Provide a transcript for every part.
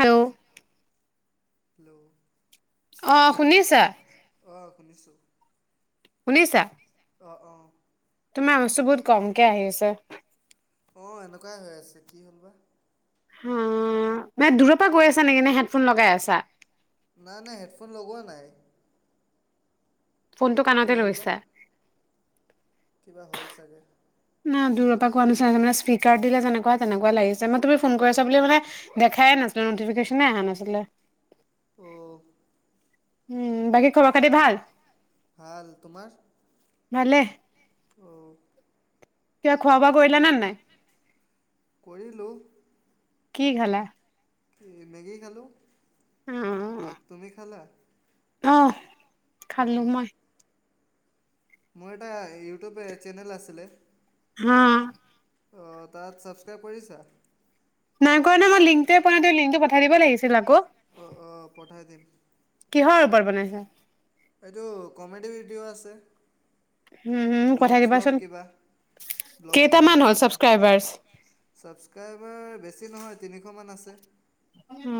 Hello অ শুনিছা hello অঁ শুনিছোঁ শুনিছা অঁ অঁ ন চুবুত কমকে আহি আছে অ এনেকুৱাই হৈ আছে কি হ'ল বা অ মানে দূৰৰ পৰা গৈ আছা নেকি নে হেডফোন লগাই আছা নাই নাই হেডফোন লগোৱা নাই ফোনটো কি কাণতে হ'ল বা ৰৈছা [unintelligible] কিবা হ'ল চাগে না দূৰৰ পৰা কোৱা নাছিল মানে স্পীকাৰ দিলে যেনেকুৱা তেনেকুৱা লাগিছে মই তুমি ফোন কৰিছা বুলি মানে দেখাই নাছিলে নটিফিকেশনে অহা নাছিলে [unintelligible] অ উম বাকী খবৰ খাতি ভাল ভাল তোমাৰ ভালে অ ক খোৱা বোৱা কৰিলা নে নাই কৰিলোঁ কি খালা কি মেগী খালো অ' তুমি খালা অ খালো অঁ মই মোৰ এটা ইউটিউব চেনেল আছিলে। হা অ তাত ছাবস্ক্ৰাইব কৰিছা নাই কৰাৱা নাই মই লিংকটোৱ পোৱা নাই লিংকটো পঠাই দিব লাগিছিল আকৌ অ অ পঠাই দিম কিহৰ ওপৰত বনাইছা এইটো কমেডি ভিডিঅ' আছে উম উম পঠাই দিবাচোন কা্ কেইটামান হ'ল ছাবস্ক্ৰাইবাৰ্চ? বকাবব বেছি নহয় [unintelligible] তিনিশমান আছে।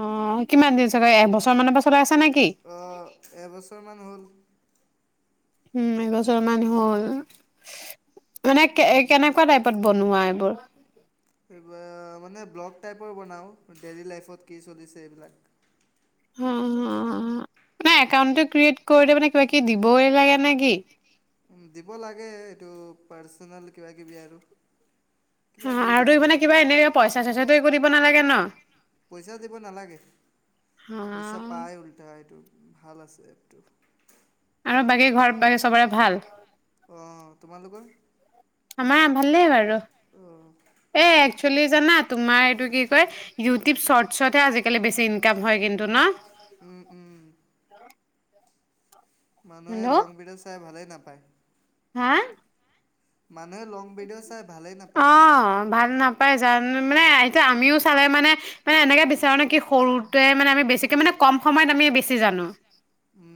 অ কিমান দিন এবছৰ মানৰ পা চলাই আছা নেকি অ' এবছৰমান হ'ল উম এবছৰ মান হ'ল মানে কে কেনেকুৱা টাইপত বনোৱা এইবোৰ এইবাৰ মানে ব্লগ টাইপৰ বনাওঁ ডেইলী লাইফত কি চলিছে এইবিলাক অ মে একাউট ক্ৰিয়েট কৰি মানে কিবা কিবি দিবই লাগে নে কি-? উ দিব লাগে এইটো পাৰ্চনেল কিবা কিবি আৰু অঁ কিবাকিবি আৰু দিব তইান লাগে কিবা এনে কিবা পইচা চইচাটো একো দিব নালাগে ন। অ পইচা দিব নালাগে পইচা অ', পাই উল্টাই এইটো ভাল আছে এপটো। আৰু বাকী ঘৰ বাকী চবৰে ভাল। আহ তোমালোকৰ আমাৰ ভালেই বাৰু অঁ এ একচ'য়'লি জানাত তোমাৰ এইটো কি কয় ইউটিউব শৰ্টছতহে আজিকালি বেছি ইনকাম হয় কিন্তু ন উম উম মানুহে হেল্ল' লং বিধত চাই ভালে নাই পায় হা! মানুহে লং বডঅ' চাই ভালেই নাপায় অ', ভাল নাপাই জানো মানে আহ আমিও চালে মানে মানে এনেকে বিচাৰো নে কি সৰুতেৱে মানে আমি বেছিকে মানে কম সময়ত আমি বেছি জানো উম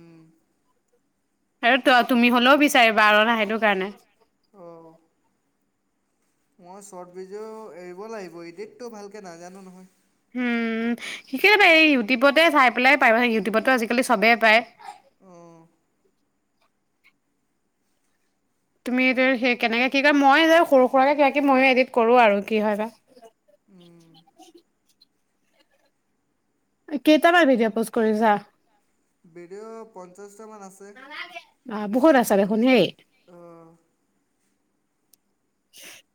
আৰু তই তুমি হলেও বিচাৰিবা আৰু ন সেইটো কাৰণে। অও। মই চৰ্ট ব্ৰীজো এৰিব লাগিব এদিততো ভালকে নাজানো নহয়। উম শিকেইে পায় ইউটিউবতে চাই পেলাই পাৰ ইউটিউবতো আজিকালি চবেই পায় উম। তুমি এই স কেনেকে কি কৰে মই সৰু সুৰাকে ক ময়ো এডিট কৰো আৰু কি হয়। বা উহ কেইটামান ভিডিঅ' পোচ কৰিছা বেডিক পঞ্চাশ, - টামান আছে অহ বহুত আছা দেখোন হেই। আহ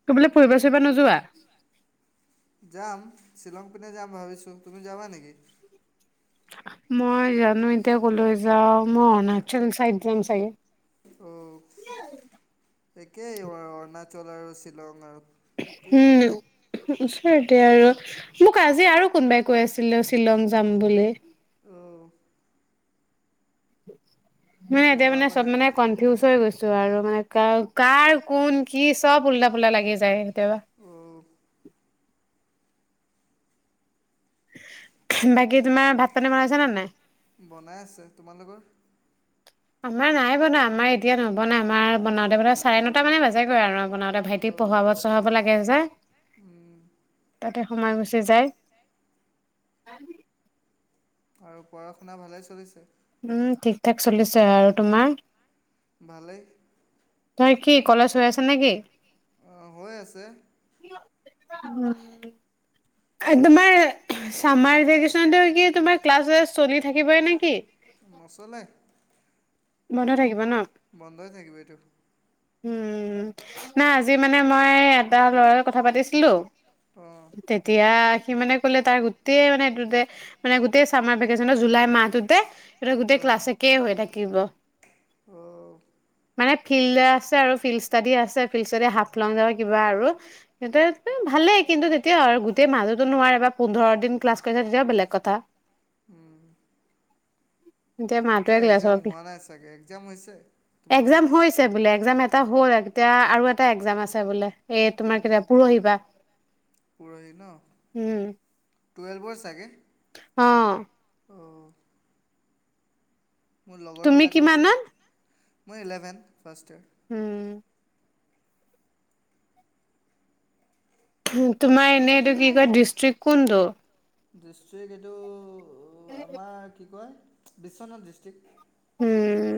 তবোলে ফুৰিবা চুৰিবা নোযোৱা যাম শ্বিলং পিনে যাম ভাবিছো তুমি যাবা নেকি? মই জানো এতিয়া কলৈ যাও ম অৰুণাচল চাইড- এাম চাগ [unintelligible] অ' একেই অৰ অৰুণাচল আৰু শ্বিলং আৰু। একেই আৰু উম হৈছে। এ আৰু মোক আজি আৰু কোনবাই কৈ আছিলে শ্বিলং, যাম বুলি- আহ উ মানে এতিয়া শ্বিলঙৰ মানে চব পিনে মানে কনফিউজ হৈ গৈছে। আৰু মানে কাৰ কাৰ কোন কি চব উল্টা পুলল্টা লাগি যায়। কেতিয়াবা অঁ বাকী তোমাৰ ভাত পানী বনাইছা নে নাই? বনাই আছে তোমালোকৰ আমাৰ নাই বনা আমাৰ এতিয়া নবনাই আমাৰ বনাওঁতে বনা চাৰে অঁ নটা মানে বাজেগৈ আৰু বনাওঁতে ভাইটি অঁ পঢ়াব চঢ়াব লাগে যে উম, তাতে- সময় গুচি যায়। আৰু পঢ়া শুনা ভালে চলিছে। উম ঠিক ঠাক চলিছে আৰু, তোমাৰ? ভালেই। তই কি ক'লেজ হৈ আছে নে কি? অঁ, হৈ আছে [inaudible] উম। তোমাৰ চামাৰ ভেকেছনটো কি তোমাৰ ক্লাছ চলি থাকিবই নেকি? মচলে বন্ধ থাকিব ন। বন্ধই থাকিব এইটো। উম না আজি মানে মই এটা লৰা কথা পাতিছিলোঁ। অঁ তেতিয়া সি মানে কলে তাৰ গোটেই মানে এইটো মানে গোটেই চামাৰ ভেকেচনৰ জুলাই মাহটোতে এ গোটেই ক্লাছকে হৈ থাকিব। আহ। মানে ফিল্ড যে আছে আৰু ফিল্ড ষ্টাডি আছে ফিল্ড ষ্টাডি হাফলং যাব কিবা আৰু ভালেই, কিন্তু তেতিয়া আৰু গোটেই মাজতো নোৱাৰে পোন্ধৰ দিন ক্লাছ কৰে তেতিয়াও বেলেগ কথা। উম। এতিয়া ত' মাহটোৱে এক্সাম ক্লাছৰ হোৱা নাই চাগে, এক্জাম হৈছে তোমালোকৰ? এক্সাম হৈছে বোলে, এক্সাম এটা হ'ল আৰু এতিয়া আৰু এটা এক্জাম আছে বোলে। এ তোমাৰ উম, কেতিয়া তোমাৰ পৰহি পৰা। পৰহি ন উম, টুৱেলভৰ চাগে অঁ। অ'। মোৰ লগৰ তুমি বিলাকৰো আছে। কিমানত মই ইলেভেন ফাৰ্ট ইয়াৰ। উম। তোমাৰ এনেই এইটো কি কয় ডিষ্ট্ৰিক্ কোনটো? ডিষ্টিক এইটো আমাৰ কি কয় বিশ্বনাথ ডিষ্ট্ৰিক্ট। উম।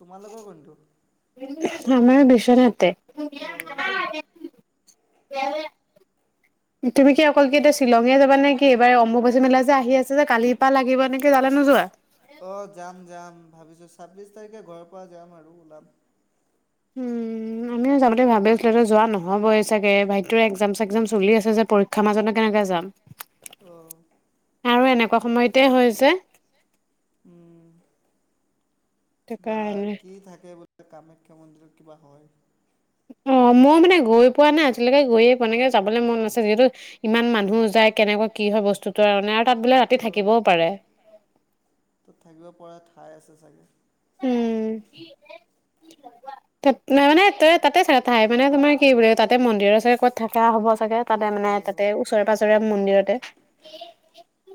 তোমালোকৰ কোনটো? আমাৰ বিশ্বনাথে। অ'। [unintelligible] তুমি কি অকল কি এতিয়া শ্বিলঙে যাবা নেকি এইবাৰ অম্বুবাচী মেলা যে আহি আছে যে, কালিৰ পৰা লাগিব নেকি তালে নোযোৱা? অ যাম যাম ভাবিছোঁ ছাব্বিশ তাৰিখে ঘৰৰ পৰা যাম আৰু ওলাম। আমিও যাব বুলি ভাবি আছিলো যোৱা নহবই চাগে ভাইটিৰ এক্সাম চেকজেম চলি আছে যে পৰীক্ষাৰ মাজত নো কেনেকে যাম। আহ। আৰু এনেকুৱা সময়তে হয় যে। উম কিবা কাৰণে কি থাকে বুলি কামাখ্যা মন্দিৰত কিবা হয়। অ মই মানে গৈ পোৱা নাই, আজিলৈকে গৈয়ে পোৱা নাই, তেনেকে যাবলৈ মন আছে যিহেতু ইমান মানুহ যায় কেনেকুৱা কি হয় বস্তুত আৰু মানে আৰু তাত বোলে ৰাতি অ', থাকিবও পাৰে। ত' থাকিব পৰা [inaudible] উম। ত মানে ত তাতে চাগে ঠাই মানে তোমাৰ কি বুলি তাতে মন্দিৰৰ চাগে ক'ত থাকা হ'ব চাগে তাতে মানে অ', তাতে ওচৰে পাঁজৰে মন্দিৰতে।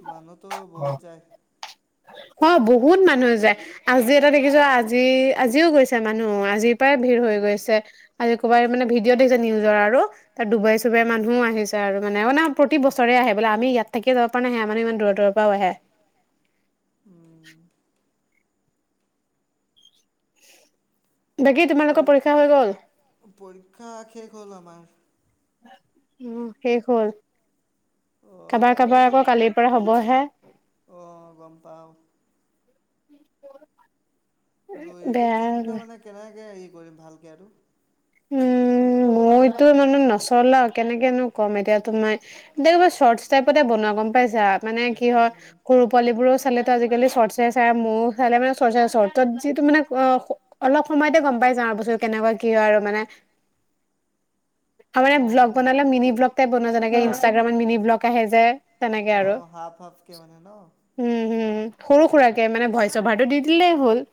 মানুহ তো বহুত যায় অ বহুত মানুহ যায় আজি এটা দেখিছো আজি আজিও গৈছে মানুহ আজি প্ৰায় ভিৰ হৈ গৈছে আজি পুৱায় মানে ভিডিঅ' দিছে নিউজৰ আৰু তাত দুবাই চুবাই উম, মানুহো আহিছে আৰু মানে অনা প্ৰতি বছৰে আহে বোলে আমি ইয়াত থাকি যাব পৰা নাই সেয়া মানুহ ইমান দূৰৰ দূৰৰ পৰাও আহে উম বাকী অ তোমালোকৰ পৰীক্ষা হৈ গ'ল পৰীক্ষা শেষ হল আমাৰ বাৰ [inaudible] উম শেষ হ'ল অ', কাবাৰ আৰু কাবাৰ এইটো আকৌ কালিৰ পৰা হবহে অ', গম পাওঁ নি [unintelligible] আৰু ইউটিউব চেনেলটো মানে কেনেকে হেৰি কৰিম ভালকে আৰু উম মইতো মানে নচলাও কেনেকেনো কম এতিয়া তোমাক এবাৰ শ্বৰ্টছ টাইপতে বনোৱা গম পাইছা মানে কি হয় সৰু পোৱালিবোৰো চা চালে তো আজিকালি শ্বর্টছ এ চাই মইও চালে মানে শ্বর্টছ এ চাও শ্বর্টছত যিহেতু মানে অলপ সময়তে গম পাই যাওঁ আৰু বস্তুটো কেনেকুৱা কি হয় আৰু মানে আমাৰ ইয়াত ব্লগ বনালে মিনি ব্লগ টাইপ বনোৱা যেনেক ইনষ্টাগ্ৰামত মিনি ব্লগ আহে যে তেনেকে আৰু অ', হাফ হাফকে মানে ন হম হম সৰু সুৰাকে মানে ভইচ অভাৰটো দি দিলেই হ'ল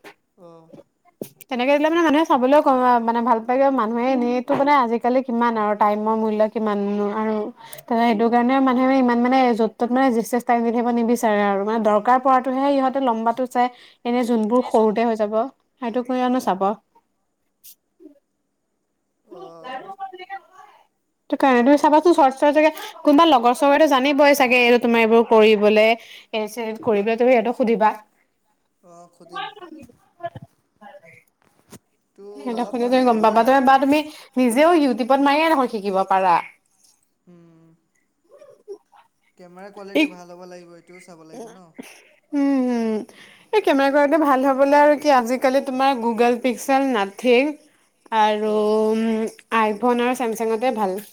অ তেনেকে দিলে মানে মানুহে চাবলৈও ক মানে ভাল পায় বা মানুহে এনেই তো মানে আজিকা আজিকালি কিমান আৰু টাইমৰ মূল্য কিমান আৰু সেইটো কাৰণে মানুহে ইমান মানে য'ত ত'ত মানে এক্সেস টাইম দি থাকিব নিবিচাৰে আৰু মানে দৰকাৰ পৰাতেহে ইহঁতে লম্বাটো চাই এনে যোনবোৰ সৰুতে হৈ যাব সেইটো কৰি আনো চাব অ সেইটো কাৰণে তুমি চাবাচোন শ্বৰ্টছৰ জেগা কোনোবা লগৰ ছগৰেটো জানিবই চাগে এইটো তোমাৰ এইবোৰ কৰিবলৈ কৰিবলৈ তুমি সিহঁতক সুধিবা অ সুধিম তো সিহতক অলপ সুধিলে মানে গম ই পাবা হৈছে বা মোৰ তুমি নিজেও ইউ টিউবত মাৰিয়ে দেখুন শিকিব পাৰা উম কেমেৰা কোৱালিটি এই ভাল হ'ব লাগিব ও চাব লাগিব ন উম হম এই কেমেৰা কোৱালিটি ভাল হবলৈ আৰু কি আজিকালি তোমাৰ গুগল পিক্সেল নাথিক [unintelligible] আৰু অঁ আইফোন আৰু চছেমচাঙতে ভাল। [inaudible]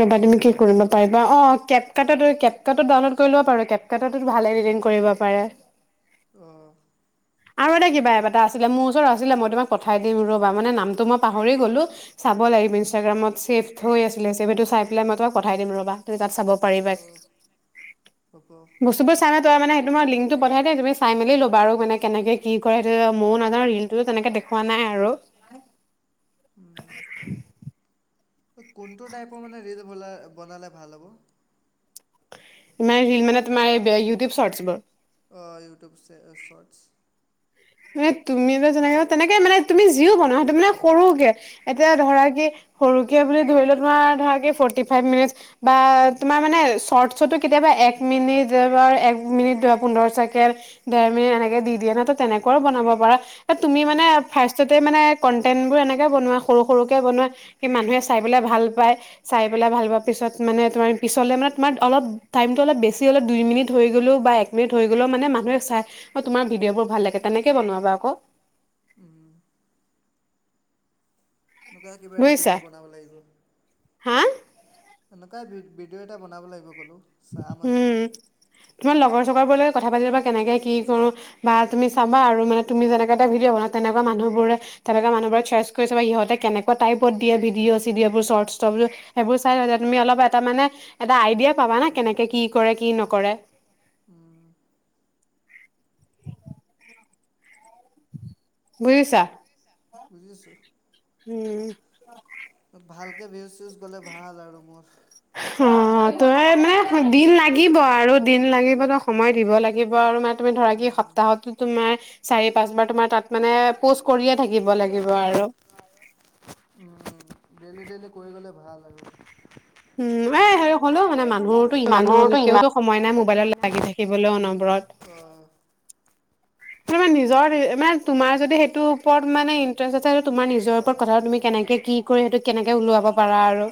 ৰবা তুমি কি কৰিব পাৰিবা অঁ কেতকাত ডাউনলড কৰি লব পাৰ কেতকাত ভালেই পাৰে অ [inaudible] আৰু এটা কিবা এটা এটা আছিলে মোৰ ওচৰত আছিলে মই তোমাক পঠাই দিম ৰবা মানে নামটো মই পাহৰি গলো চাব লাগিব ইনষ্টাগ্ৰাম। ছেফ হৈ আছিলে ছেভ সেইটো চাই পেল মই তোাক পঠাই দিম ৰ'বা চাব পাৰিবা অঁ হ'ব বস্তুবোৰ চাই। তই মানে সেইটোমই লিংকটো পঠাই দে তুমি চাই মেলি ল'বা আৰু মানে কেনেকে কি কৰে সেইটো ময় নাজানো ৰিলতো তেনেকে দেখুৱাই নাই আৰু [inaudible] কোনটো টাইপৰ মানে ব বনালে ভাল হ'ব ৰিল মানে তোমাৰ ইউটিউব শৰ্টছোৰ অঁ ইউটউব চটছ তুম যেনেকে তেনেকে মানে তুমি যিওঁ বনোৱােইটো মানে সৰুকে এতিয়া ধৰা কি সৰুকে বুলি ধৰিল তোমাৰ ধৰা কি ফৰ্টি ফাইভ মিনিট বা তোমাৰ মানে শৰ্টো কেতিয়াবা এক মিনিট এক মিনিট পোন্ধৰ ছেকেণ্ড দেৰ মিনিট এনেকে দি দিয়ে ন তেনেক। ঘৰ বনাব পাৰা তুমি মানে অঁ ফাৰ্ষ্ট মানে কন্টেন্ট বোৰ এনেকে বনোৱা সৰু সৰুকৈ বনায় স মানুহে চাই পেলাই ভাল পায়াইেলাই ভাল পোৱাৰ পিছত মানে তোমাৰ পিছলৈ মানে তোমাৰ অলপ টাইমটো অলপ বেছি অলপ দুই মিনিট হৈ গ'লেও বা এক মিনিট হৈ গ'লেও মানে মানুহে চাই মই তোমাৰ ভিডিঅ'বোৰ ভাল লাগে তেনেকে বনবা আকৌ এু কিবা এটা বুজিছা ভিডিঅ' বনাব লাগিব হা ভিডিঅ' এটা বনাব লাগিব ক'লোঁ চাম আজি উম তোমাৰ লগৰ কথা পাতি লবা কেনেকে কি কৰো বা তুমি চাবা আৰু মানে তুমি যেনেকা এটা ভি' বনাওঁ তেনেকুৱা মানুহবোৰে তেনেুৱা মানুহবৰে চাৰ্চ কৰি চাবা সহঁতে কেনেুৱা টাইপত দিয়েডিঅ' চ এইোৰ চৰ্ট ষ্টবোৰ সেইবোৰ চাই তুমি অলপ এটা মানে এটা আইডিয়া পাবা না কেনেকে কি কৰে কি নকৰে উম বুজিছা বুজি আছো। উম ভালকে ভিইজ চিইজ গলে ভাল আৰু মোৰ অঁ তই মানে দিন লাগিব আৰু দিন লাগিবতো সময় দিব লাগিব আৰু ম তুমি ধৰা কি সপ্তাহতো তোমাৰ চাৰি পাঁচবাৰ তোমাৰ তাত মানে প থাকিব লাগিব আৰু উম, ডেইলি ডেইলি কৰি গ'লে ভাল আৰু উম এ সে হ'লো মানে মানুহটো ইমান হ'ল কিয়তো সময় নাই মোবাইলত লাগি থাকিবলৈও অনবৰত অঁ নিজৰ মানে তোমাৰ যদি সেইটোৰ ওপৰত মানে ইন্টাৰেষ্ট আছে তোমাৰ নিজৰ ওপৰত কথা তুমি কেনেকে কি কৰি সেইটোক কেনেকে উওলাব পাৰা আৰু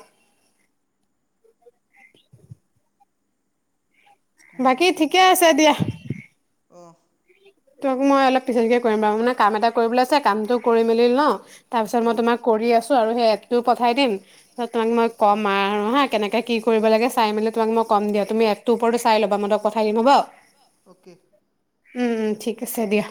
বাকী ঠিক উম। তোমাক মই অলপ পিছতহে কৰিম বাৰু মানে কাম এটা কৰিবলৈ আছে কামটো কৰি মেলি ন তাৰ পিছত মই তোমাক কৰি আছো আৰু এপটো পঠাই দিম তোমাক মই ক'ম আৰু হা কেনেকে কি কৰিব লাগে চাই মেলে তোমাক মই কম দিয়া তুমিএপটোৰ ওপৰতো চাই ল'ব মনত পাই দিম'ব [unintelligible] অকে উম উম ঠিক আছে দিয়া